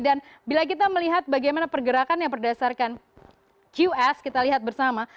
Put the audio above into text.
dan bila kita melihat bagaimana pergerakan yang berdasarkan qs kita lihat bersama